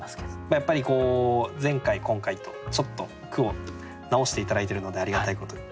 やっぱり前回今回とちょっと句を直して頂いてるのでありがたいことに。